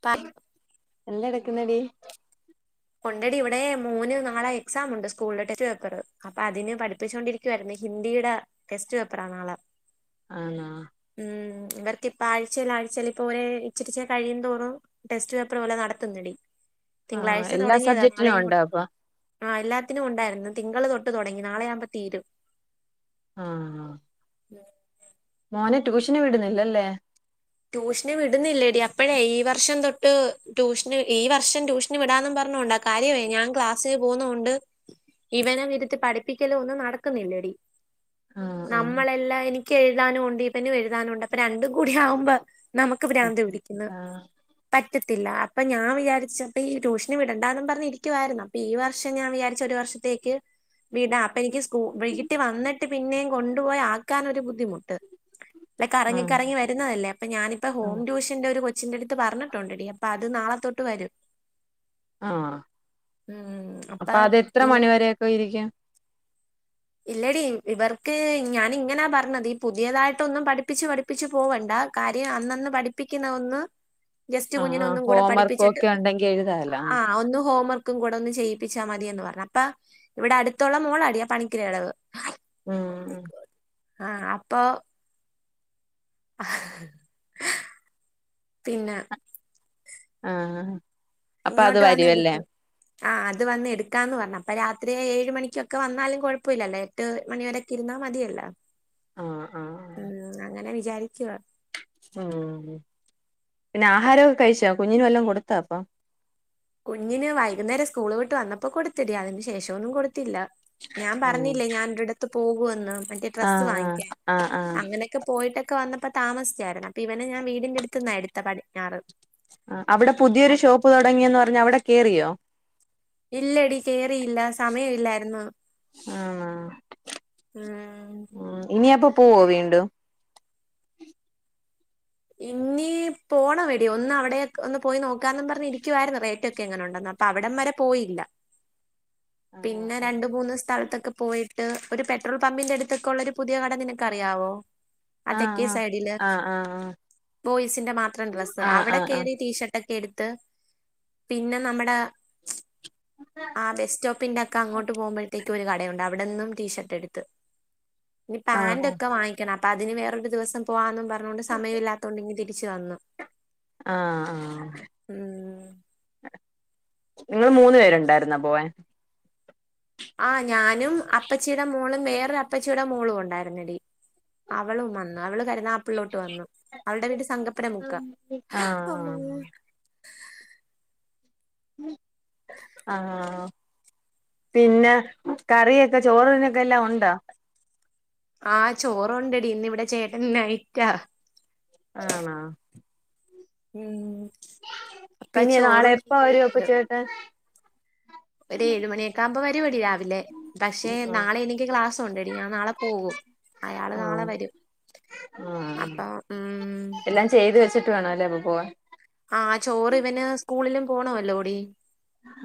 പ എ ല്ല ടക്കുന്ന ടീ ഉണ്ടടീ ഇവിടെ മോന് നാളെ എക്സാം ഉണ്ട് സ്കൂൾല് ടെസ്റ്റ് പേപ്പറ് അപ്പൊ അതിന് പഠിപ്പിച്ചോണ്ടിരി ക്കാരുന്നേ ഹിന്ദിയുടെ ടെസ്റ്റ് പേപ്പറാ നാളെ ആണോ ഉം ഇവർക്ക് ഇപ്പ ആഴ്ചേല് ആഴ്ചേല് ഇപ്പൊ ഒര് ഇച്ചിരി ച്ചിരികഴിയും തോറും ടെസ്റ്റ് പേപ്പർ പോലെ നടത്തുന്നടി ആ തിങ്കളാഴ്ച എല്ലാ തുടങ്ങിയതാ സബ്ജക്റ്റിനും നാളെയും കൂ ഉണ്ടോ അപ്പൊ ആ എല്ലാത്തിനും ഉണ്ടായിരുന്നു തിങ്കൾ തൊട്ട് തുടങ്ങി നാളെയാവു മ്പോതീരും ആഹ് മോന് ട്യൂഷന് വിടുന്നില്ലല്ലേ ട്യൂഷന് വിടുന്നില്ല ടീ അപ്പഴേ ഈ വർഷം തൊട്ട് ട്യൂഷന് ഈ വർഷം ട്യൂഷ ന് വിടാന്നും പറഞ്ഞോണ്ടാ കാര്യമായി ഞാൻ ക്ലാസ് പോന്നോണ്ട് ഇവനം ഇരുത്തി പഠിപ്പിക്കലോ ഒന്നും നടക്കുന്നില്ലടി. ആ ആ നമ്മളെല്ലാം എനിക്ക് എഴുതാനും ഉണ്ട് ഇപ്പനും എഴുതാനുണ്ട് അപ്പൊ രണ്ടും കൂടി ആവുമ്പോ നമുക്ക് പ്രാന്ത് പിടിക്കുന്ന് ആ പറ്റത്തില്ല അപ്പൾ ഞാൻ വിചാരിച്ച് അപ്പോ ഈ ട്യൂഷന് വിടണ്ട എന്നും പറഞ്ഞിരിക്കുവാരുന്ന് അപ്പം ഈ വർഷം ഞാൻ വിചായിരിച്ച് ഒരു വർഷം ത്തേക്ക് വീടാ. അപ്പൊ എനിക്ക് സ്കൂ വൈകിട്ട് വന്നിട്ട് പിന്നെയും കൊണ്ടുപോയി ആക്കാനൊരു ബുദ്ധിമുട്ട്. [inaudible] ല്ല കറങ്ങി കറങ്ങി വരുന്നതല്ലേ. അപ്പ ഞാനിപ്പ ആ ഹോം ട്യൂഷന്റെ ഒരു കൊച്ചിന്റെടുത്ത് പറഞ്ഞിട്ടുണ്ടടി അപ്പ അത് നാളത്തൊട്ട് വരും. ആഹ് അപ്പൊ അതെത്ര ഈ മണിവരൊക്കെ ഇരിക്കും? ഇല്ലടി ഇവർക്ക് ഞാനിങ്ങനാ പറഞ്ഞത് ഈ പുതിയതായിട്ടൊന്നും പഠപ്പിച്ച് പഠിപ്പ പ്പിച്ച് പോവണ്ട കാര്യം അന്നന്ന് പഠിപ്പിക്കുന്ന ഒന്ന് [inaudible] ജസ്റ്റ് കുഞ്ഞിന് ആ ഒന്നും കൂടെ ഹോം വർക്കും പഠിപ്പിച്ചിട്ട് ഒക്കെ ഉണ്ടെങ്കി എഴുതാലോ ആ ഒന്ന് ഹോംവർക്ക് ക്കും കൂടെ ഒന്ന് ചെയ്യിപ്പിച്ചാ മതിയന്ന് പറഞ്ഞു. അപ്പ ഇവിടെ അടുത്തുള്ള മോളാടി ആ പണിക്കര കടവ് ഉം ആഹ് അപ്പൊ പിന്നെ ആഹ്. അപ്പൊ അത് വരുവല്ലേ. ആഹ് അത് വന്നെടുക്കാന്ന് പറഞ്ഞു അപ്പൊ രാത്രി ഏഴ് മണിക്കൊക്കെ വന്നാലും കുഴപ്പമില്ലല്ലോ എട്ട് മണി വരെ തിരുന്നാ മതിയല്ലോ. ആ ആ ഉം അങ്ങനെ വിചാരിക്കുവ. ഉ. പിന്നെ ആഹാരമൊക്കെ കഴിച്ചോ, കുഞ്ഞിന് വല്ലോം കൊടുത്താ അപ്പൊ? കുഞ്ഞിന് വൈകുന്നേരം സ്കൂള് വിട്ട് വന്നപ്പോ കൊടുത്തെടി, അതിന് ശേഷം ഒന്നും കൊടുത്തില്ല. ഞാൻ ഉം പറഞ്ഞില്ലേ ഞാനൊരിടത്ത് പോകുവന്ന്, മറ്റേ ആ ഡ്രസ്സ് ആ വാങ്ങിക്കാൻ. ആ ആ അങ്ങനെക്കെ പോയിട്ടൊക്കെ വന്നപ്പോ താമസിച്ചാരുന്ന് അപ്പൊ ഇവനെ ഞാൻ വീടിന്റടുത്തുന്നാ എടുത്തെ പടിഞ്ഞാറ്. ആഹ് അവിടെ പുതിയൊരു ഷോപ്പ് തുടങ്ങിയന്ന് പറഞ്ഞ് അവിടെ കേറിയോ? ഇല്ലടി കേറിയില്ല സമയം ഇല്ലാരുന്ന്. ആണോ ഉം. ഉം ഇനി അപ്പൊ പോവോ വീണ്ടും? ഇന്നീ പോണവടി ഒന്ന് അവിടെ ഒന്ന് പോയി നോക്കാന്ന് പറഞ്ഞിരിക്കുവാരുന്ന് റേറ്റ് ഒക്കെ എങ്ങനെ ഉണ്ടന്ന് അപ്പൊ അവിടം വരെ പോയില്ല. [inaudible] ആഹ് പിന്ന രണ്ട്മൂന്ന് സ്ഥലത്തൊക്കൊ പോയി പോയിട്ട്.. ഒരു പെട്രോൾ പമ്പിന്റടുത്തൊക്കെള്ളൊരു പുതിയ കട നിനക്കറിയാവോ? അതെക്കെ സൈഡില് ആഹ് ആഹ് ആഹ് ബോയ്സിന്റെ മാത്രം ഡ്രസ്സ്, ആഹ് അവിടെ ആഹ് ആഹ് കേറി ടീഷർട്ടക്കെ എടുത്ത്, പിന്നെ നമ്മട മ്മ്ച് ആ ബസ്സ്റ്റോപ്പിന്റക്ക അങ്ങോട്ട് പോകുമ്പഴത്തേക് അവിടെന്നും ടീഷർട്ട് എട്ത്ത്. ഇനി ആഹ് ഫന്റ് ആഹ് ഒക്കെ വാങ്ങിക്കണം ക്കണം. അപ്പ അതിന് വേറൊരു അപ്പോ വേറെ ദിവസം പോവാന്നും പറഞ്ഞോണ്ട് സമയവില്ലാത്തോണ്ട് ഇങ്ങ് തിരിച്ച് വന്ന്. ആഹ്.. ആഹ്. ഞങ്ങൾ മൂന്ന്പേരൊണ്ടാരുന്നാ പോകാൻ? ആ ഞാനും.. അപ്പച്ചിട മോളും വേറോരളും അപ്പച്ചിടെ മോളുവൊണ്ടാരുന്നടി അവളും വന്ന്. അവള് കരിനാഗ പള്ളിയിൽ നിന്ന് അവൾടെ വീട് സങ്കപ്പന മുക്കാ. ആഹ് അമ്മേ ആഹ് പിന്ന കറിയൊക്ക! ചോറ്നോക്കെ എല്ലാതും ഉണ്ടോ ആഹ് ചോറുണ്ടടി ഇന്ന് ഇവിടെ ചേട്ടന് നൈറ്റാ. ആണോ മ്മ് പിന്നെ നാളെ ഉപ്പ വരും അപ്പൊ ഉണ്ട്. ചേട്ടൻ? ഒരു ഏഴ് മണിയൊക്കാകുമ്പോ വരുവെടി രാവിലെ. പക്ഷെ... ആഹ് നാളെ എനിക്ക് ക്ലാസ്സൊണ്ടെടി ഞാൻ നാളെ പോകും. അയാള് നാളെ ആഹ് വരും. ആഹ് അപ്പോ ഉം - എല്ലാം ചെയ്ത് വെച്ചിട്ട് വേണം അല്ലെ അപ്പൊ പോവാൻ. ആഹ് ചോറിവന് സ്കൂളിലും പോണവല്ലോടി.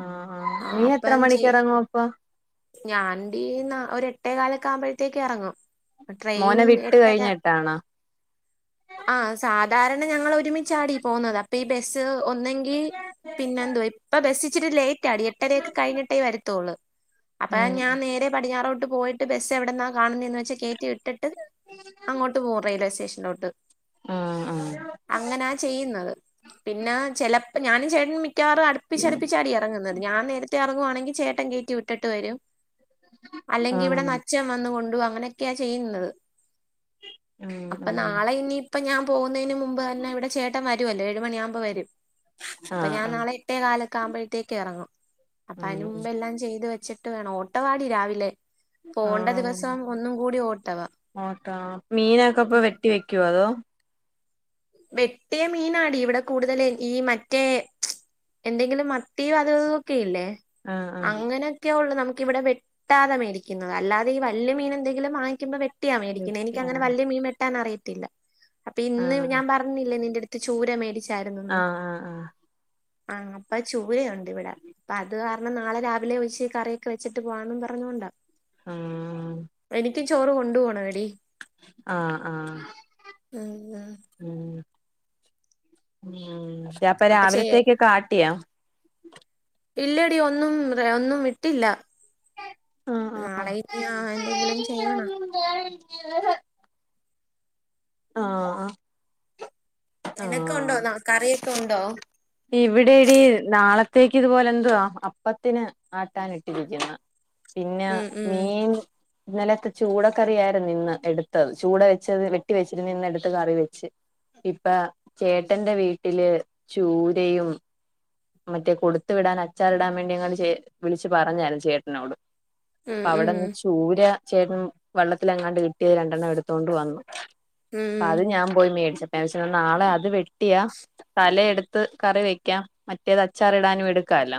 ആ ആ നീ എത്ര മണിക്കെറങ്ങുവ പ്പൊ? ഞാൻടി ഒരെട്ടേകാലൊക്കാകുമ്പോഴത്തേക്ക് എറങ്ങും. മോന വിട്ട് കഴിഞ്ഞട്ടാണാ ആ സാധാരണ ഞങ്ങളൊരുമിച്ചാടി പോകുന്നത് അപ്പൊ ഈ ബസ്സ് ഒന്നങ്കിൽ ഈ പിന്നന്തുവാ ഇപ്പോ അപേക്ഷിച്ചു ലേറ്റ് ആടി എട്ടരയൊക്കെ കഴിഞ്ഞിട്ടേ വരത്തോള്ള്. അപ്പെ ഉം ഞാൻ നേരെ പടിഞ്ഞാറോട്ട് പോയിട്ട് ബസ് എവിടന്നാ കാണുന്നന്നെച്ചാ കേറ്റി വിട്ടിട്ട് അങ്ങോട്ട് പോകും റെയിൽവേ സ്റ്റേഷനിലോട്ട്. ആഹ് അങ്ങനാ ചെയ്യുന്നത്. പിന്നാ ചെലപ്പോൾ ഞാനും ചേട്ടനുമിക് ക്കവാറും അടുപ്പിച്ചടുപ്പിചാണ് ഇറങ്ങുന്നത് ഞാൻ നേരത്തെ ഇറങ്ങുവാണെങ്കി ചേട്ടൻ കേറ്റി വിട്ടട്ട് വരും ആഹ് അല്ലെങ്കിൽ ആഹ് ഇവിടെന്ന് അച്ഛൻ വന്ന് കൊണ്ടുപോവൂ അങ്ങനൊക്കെയാ ചെയ്യുന്നത്. ഉം അപ്പൊ ഉം നാളെ ഇനിയിപ്പോ ഞാൻ പോകുന്നതിന് മുമ്പ്തന്നെ ഇവിടെ ചേട്ടൻ വരും രുവല്ലോ ഏഴുമണിയാവുമ്പോ വരും. എഴു മണി ആകുമ്പോയേക്കുംവരും അപ്പൊ ഞാൻ ആഹ് ആഹ് നാള എട്ടേകാലൊക്കാവുമ്പോഴത്തേക്കെഇറങ്ങും അതിനു മുമ്പേല്ലാം ചെയ്ത് വെച്ചിട്ട് വേണം, ഓട്ടവാടി രാവിലെ. പോവാണ്ട ദിവസം ഒന്നുംകൂടി ഓട്ടം ആണ് അട്ടോ മീനൊക്കെപ്പ വെട്ടി വെക്കുവോ അതോ? വെട്ടിയ മീനാടി ഇവിടെ കൂടുതൽ ഈ മറ്റേ എന്തെങ്കിലും മത്തിയും അതും ഇതും ഒക്കെ ഇല്ലേ ആഹ് ആഹ് അങ്ങന ക്കേള്ളൂ നമുക്ക് ഇവിടെ വെട്ടാതെ മേടിക്കുന്നത അല്ലാതീ വല്യ മീനെന്തെങ്കിലും വാങ്ങിക്കുമ്പോ വെട്ട് ട്ടിയ മേടിക്കുന്നത് വെട്ടി എനിക്കങ്ങന ആഹ് വലിയ മീൻ വെട്ടാനറിയത്തില്ല. അപ്പൊ ഇന്ന് ആഹ് ഞാൻ പറ പറഞ്ഞില്ലേ നിന്റെ അടുത്ത് ചൂര മേടിച്ചാരുന്നന്ന്. ആഹ് ആഹ് ആ അപ്പോ ചൂര ആണ്. ഇവിട. അപ്പോ അത് കാരണം നാളെ രാവിലെ വെച്ച് കറിയൊക്കെ വെച്ചിട്ട് പോകാന്നും പറഞ്ഞൊണ്ട എനിക്ക്‌ ചോറ് കൊണ്ട് പോവണം ഡി ആഹ് ആഹ്. ആഹ് ഉം ഉം ഉം.. ഉം അപ്പ അപ്പൊ ചേ രാവിലത്തേക്കക്ക ആട്ടിയാ? ഇല്ലടി ഒന്നും ഒന്നും ഇട്ടില്ല. ആഹ് ആഹ് നാളെ ഇനി എന്തെങ്കിലും ചെയ്യണോ? [inaudible] ആഹ് ആഹ്. നിനക്കൊണ്ടോ ന കറിയൊക്കെ ഉണ്ടോ? ഇവിടെയടി നാളത്തേക്ക് ഇതുപോലെ എന്ത്വ അപ്പത്തിന് ആട്ടാനിട്ടിരിക്കുന്ന്. പിന്ന ഉം ഉം മീൻ ഇന്നലെത്തെ ചൂട കറിയായിരുന്നു നിന്ന് എടുത്തത് ചൂട വെച്ചത് വെട്ടി വെച്ചിരുന്നിന്നെടുത്ത് കറി വെച്ച്. ഇപ്പ ചേട്ടന്റെ വീട്ടില് ചൂരയും മറ്റേ കൊടുത്ത് വിടാൻ അച്ചാറി ടാൻ വേണ്ടി അങ്ങ വിളിച്ച് പറഞ്ഞാരുന്ന് ചേട്ടനോട് ഉം അപ്പൊ ഉം അവിടെന്ന് ചൂര ചേട്ടൻ വെള്ളത്തിലെങ്ങാണ്ട് കിട്ടിയത് രണ്ടെണ്ണം എടുത്തോണ്ട് വന്നു. ഉം അത് ഞാൻ പോയി മേടിച്ച് അപ്പൊ ഞൻ വിചാരിച്ച് നാളെ അത് വെട്ടിയാ തല എടുത്ത് ത്ത് കറി വെക്കാം മറ്റേത് അച്ചാറിടാനും എടുക്കാല്ലോ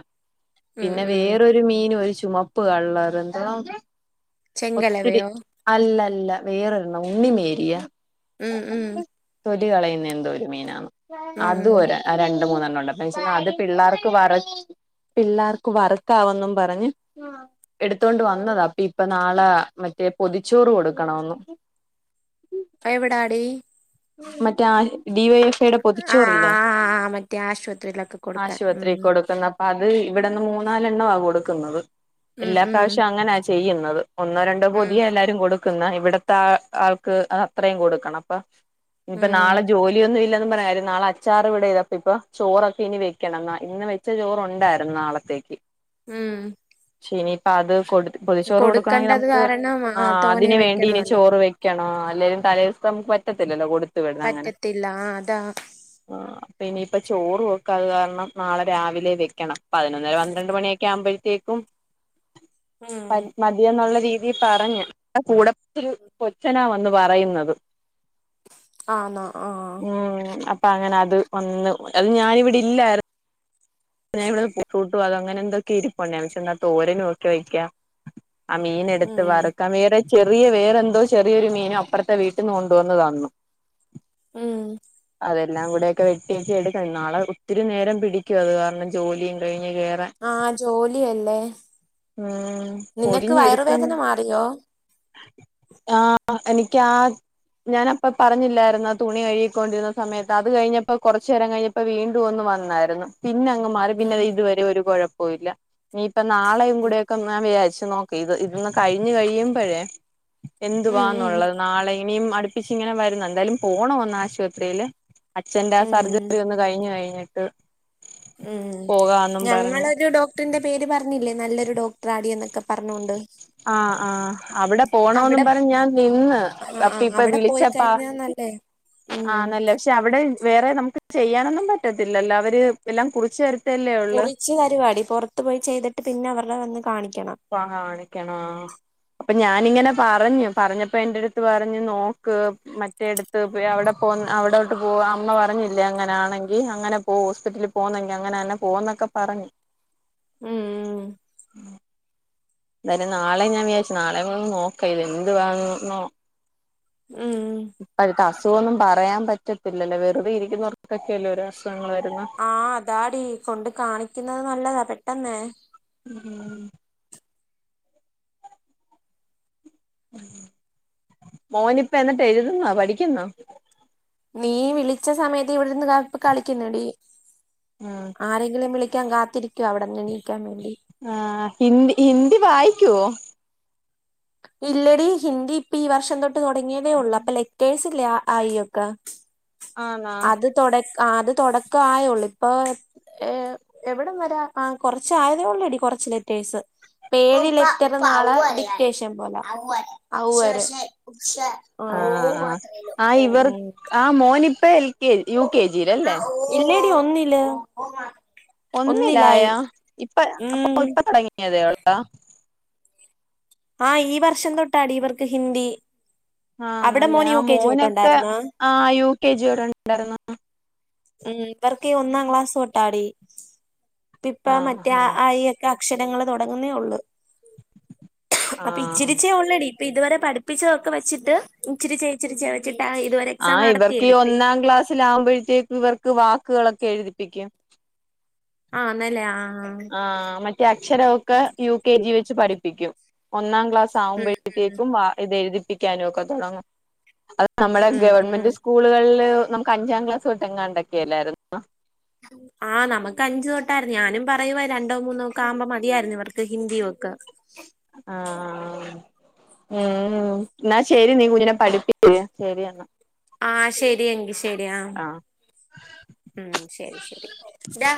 ഉം ഉം പിന്നെ ഉം വേറൊരു ഒരു മീനും ഒരു ചുമപ്പ് കള്ളറ് എന്തുവ ഒത്തിരി ചെങ്കലവയോ അല്ലല്ല വേറൊരണ്ണം ഉണ്ണി മേരിയ ഉം ഉം തൊലി കളയുന്ന എന്തോ ഒരു മീനാണ് ഉം അതും ഒരാ ആഹ് രണ്ട് മൂന്നെണ്ണം ഉണ്ട് അപ്പ ഞാ വിചാച്ച് അത് പിള്ളേർക്ക് വറ പിള്ളാർക്ക് വറക്കാവന്നും പറഞ്ഞ് എടുത്തോണ്ട് വന്നതാ അപ്പൊ ഇപ്പ നാളെ മറ്റേ പൊതിച്ചോറ് കൊടുക്കണോന്ന്. എവിടാടി? മറ്റേ ഡി വൈ എഫ് എ ടെ പൊ ആ ആ തിച്ചോറി ല്ലേ ആ മറ്റേ ആശുപത്രിയിലൊക്കെ കൊടുക്കാൻ ഉം ആശുപത്രി കൊടുക്കുന്ന അപ്പ അത് ഇവിടെന്ന് മൂന്നാലെണ്ണ ആ കൊടുക്കുന്നത് ഉം എല്ലാ ഉം പ്പ്രാ വശ്യവും അങ്ങനെ ചെയ്യുന്നത് ഒന്നോ രണ്ടോ പൊ ഉം തിയ എല്ലാരും കൊടു ക്കു ന്ന ഇവിടത്തെ ആ ആൾക്ക് ത് അത്രയും കൊടുക്കണം അപ്പൊ ഇപ്പൊ ഉം നാളെ ജോലിയൊന്നും ഇല്ല എന്ന് പറഞ്ഞുകാര്യം നാളെ അ അച്ചാറ് ഇവിടെ ഇതപ്പ ഇപ്പൊ ചോ റൊക്കെ ഇനി വെക്കണം എന്നാ ഇന്ന് വെച്ച ചോറുണ്ടായിരുന്നു നാളത്തേക്ക് ഉം പക്ഷെ ഇനിയിപ്പ അത് കൊടു പൊതിച്ചോറ് കൊടുക്കണമെങ്കിൽ കൊടുക്കണ്ടത് നമുക്ക് കാരണം ആ തോനെ അതിന് വേണ്ടി ഇനി വെക്കണല്ലോ ചോറ് വെക്ക ണോ അല്ലേലും തലേദി വസത്തെ നമുക്ക് പറ്റത്തില്ലോ കൊടു പറ്റത്തില്ല ആ അതാ ആ പിന്നയിപ്പ ചോറ് വെക്കാത് കാരണം നാളെ രാവിലെ വെക്കണം പതിനൊന്നര പന്ത്രണ്ട് മണിയൊക്കെ ആവുമ്പോത്തേക്കും ആഹ മതി എന്നുള്ള രീതിയിൽ പറഞ്ഞ് കൂടെ ഒരു കൊച്ചനാ വന്ന് പറയുന്നത് അന്നോ ആ ഉ അപ്പ അങ്ങനെ അത് വന്ന് അത് ഞാനിവിടെ ഇല്ലായി പിന്നെ ഇവിടെ ഫൂട്ടും അങ്ങനെ എന്തൊക്കെ ഇരിപ്പുണ്ട് ന്നാ വിചാരിച്ച് എന്നാൽ തോര നോക്കി വക്കാ ആ മീൻ എടുത്ത് ഉം വർക്ക വേ റെ ചെറിയ വേറെന്തോ ചെറിയൊരു മീനും അപ്പുറത്തെ വീട്ടിൽ നിന്ന് കൊണ്ട് വന്ന്‌ തന്ന്‌ ഉം അതെല്ലാം കൂടെക്കെ വെട്ടി എടുക്ക നാളെ ഒത്തിരി നേരം പിടിക്കും അത് കാരണം ജോലിയും കഴിഞ്ഞ് കേറാൻ ആഹ ജോലി യാ ല്ലെ ഉം പൊതിഞ്ഞ് എടുക്കുന്ന്‌ മാറിയോ ആഹ എനിക്കാ ഞാൻ അപ്പ പറഞ്ഞില്ലായിരുന്ന തുണി കഴുകിക്കൊണ്ടിരുന്ന സമയത്ത് അത് കഴിഞ്ഞപ്പോ കൊറച്ചു നേരം കഴിഞ്ഞ് ഇപ്പൊ വീണ്ടും ഒന്ന് വന്നായിരുന്നു പിനങ് മാറി പിന്നെ ഉം ദേ ഇതുവരെ ഒരു കുഴപ്പൊ ഇല്ല ഇനിയിപ്പ നാളെയും കൂടെക്കെഞാൻ വിചാരിച്ചു നോ ക്കി ഇത് ഇതൊന്ന് കഴിഞ്ഞു കഴിയുമ്പഴേ ഉം ഉം എന്തുവാന്നുള്ളത് നാളെ ഇനി യും അടു പ്പിച്ച് ഇങ്ങനെ വരുന്നു എന്തായാലും പോണം ഒന്ന്‌ ആശുപത്രിയില് അച്ഛന്റെ ആ ഉം സർജറി ഒന്ന് കഴിഞ്ഞു കഴിഞ്ഞിട്ട് ആഹ് ഉം പറഞ്ഞ് ഞങ്ങളൊരു ഡോ ഡോക്ടറിന്റെ പേര് പറഞ്ഞില്ലേ നല്ലൊരു ഡോക്ടറാടി എന്നൊക്കെ പറഞ്ഞോണ്ട് ആഹ ആഹ അവിടെ പോണോ ന്ന് അവിടെ പറഞ്ഞ് ഞാൻ നിന്ന് അപ്പ ഇപ്പ വിളിച്ചപ്പ ഇന്ന ല്ലേ ഉം പക്ഷെ അവിടെ വേറെ നമുക്ക് ചെയ്യാനൊന്നും പറ്റത്തില്ലല്ലോ അവര് എല്ലാം കുറിച്ച് തര ത്തല്ലേ ഉള്ള് കുറിച്ച് തരുവാടി പുറത്ത് പോയി ചെയ്തിട്ട് പിന്നെ അവരുടെ വന്ന് കാണിക്കണം പ്പ കാണിക്കണം അപ്പൊ ഞാാനിങ്ങനെ പറ ഞ്ഞ് പറഞ്ഞപ്പോ എന്റടുത്ത് പറഞ്ഞു നോക്ക് മ ക് ട്ട റ ടുത്ത് അവിടെ പോ അവിടോ ട്ട് പോവാ അമ്മ പറഞ്ഞില്ലേ അങ്ങനാ ണെങ്കിൽ അങ്ങനെ പോഹോസ്പിറ്റലിൽ പോന്നെങ്കി അങ്ങനെ തന്നെ പോന്നൊക്കെ പറഞ്ഞു ഉം ഉം എന്തായാലും നാളെ ഞാൻ വിചാരിച്ചു നാളെ കൂടെ ഒന്ന് നോക്ക ഇത് എന്ത് വാണെന്നോ ഉം ഇപ്പഴത്ത അസുഖോന്നും പറയാൻ പറ്റത്തില്ലല്ലോ വെറുതെ ഇരിക്കുന്നവർക്കൊക്കെയല്ല ഒരേ അസുഖങ്ങൾ വരുന്ന ആഹ അതാടി കൊണ്ട് കാണിക്കുന്നത് നല്ലതാ പെട്ടെന്നേ ഉം മോനിപ്പ എന്നിട്ട് എഴുതുന്നോ പഠിക്കുന്നോ നീ വിളിച്ച സമയത്ത് ഇവിടെന്ന് ക കളിക്കുന്നടി ഉം ആരെങ്കിലും വിളിക്കാൻ കാത്തിരിക്കുവാ അവിടെന്നണിക്കാൻ വേണ്ടി ആഹ് ഹിന്ദി ഹിന്ദി വായിക്കുവോ ഇല്ലടി ഹിന്ദി ഇപ്പൊ ഈ വർഷം തൊട്ട് തുടങ്ങിയതേ ഉള്ളൂ അപ്പൊ ലെറ്റേഴ്സ് അയൊക്കെ ആന്നാ അത് തൊട അത് തൊട ക്കായള്ളൂ ഇപ്പൊ ഏ എവിടം വരാ ആ കൊറച്ച് ആയതേ ഉള്ളടി കൊറച്ച് ലെറ്റേഴ്സ് ഏഴ് ലെറ്ററ് നാളെ ഡിക്റ്റേഷം ഔ വരെ ഓമാത്ര ഉള്ളൂ ആ മോനി ഇപ്പ എൽ കെ യു കെ ജിയിലല്ലേ ഇല്ലടി ഒന്നില് ഒന്നിലായി ഒന്നിലായോ ഇപ്പ അപ്പൊ ഉം ഇപ്പ തുടങ്ങിയതേ ഉള്ളാ ആഹ് ഈ വർഷം തൊട്ടാടി ഇവർക്ക് ഹിന്ദി ആഹ് അവിടെ നല്ലേ മോൻ ആ യു കെ ജി മോനൊക്കെ തൊട്ടുണ്ടായിരുന്നോ ആ യു കെ ജിോടെണ്ടായിരുന്നു ഉം ഇവർക്ക് ഒന്നാം ക്ലാസ് തൊട്ടാടി പിപ്പ ആഹ് മറ്റേ ആഹ് ആയി യൊക്കെ അക്ഷരങ്ങള് തുൊടങ്ങുന്നേ ഉള്ളു അപ്പൊ ആഹ് ഇച്ചിരിച്ചേ ഒള്ളൂടി ഇപ്പൊ ഇതുവരെ പഠിപ്പിച്ചതൊക്കെ വെച്ചിട്ട് ഇച്ചിരി ചെ ചിരിച്ച വെച്ചിട്ട് ഇതുവരെ എക്സാം നടത്തിയതിട്ട് ന്നിലാകുമ്പോഴത്തേക്കും ഇവർക്ക് വാക്കുകളൊക്കെ എഴുതിപ്പിക്കും ആഹ് നല്ലേ ആ ആഹ് മറ്റേ അക്ഷരമൊക്കെ യു കെ ജി വെച്ച് പഠിപ്പിക്കും ഒന്നാം ക്ലാസ് ഉം സാമ്പഴത്തേക്കും ഉം ഇത് എഴുതിപ്പിക്കാനും ഒക്കെ തുടങ്ങും അത് നമ്മുടെ ഉം ഗവൺമെന്റ് ഉം സ്കൂളുകളില് നമുക്ക് അഞ്ചാം ക്ലാസ് തട്ടെങ്ങാണ്ടക്കെല്ലായിരുന്നു ആഹ നമുക്ക് അഞ്ചു തൊട്ടായിരുന്നു ഞാനും പറയുമായിരുന്നു രണ്ടോ മൂന്നോ ഒക്കെ ആവുമ്പോ മതിയായിരുന്നു ഇവർക്ക് ഹിന്ദിയും ഒക്കെ ആഹ് ഉം എന്നാ ശരി നീ കുഞ്ഞിനെ പഠിപ്പി ശരി എന്ന ആഹ് ശരിയങ്കി ശരി ആഹ് ഉം ശരി ശരി ഡാ